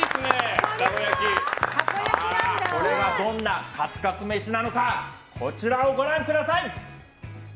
これはどんなカツカツ飯なのかこちらをご覧ください。